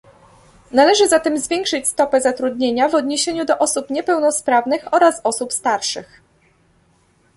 Należy zatem zwiększyć stopę zatrudnienia w odniesieniu do osób niepełnosprawnych oraz osób starszych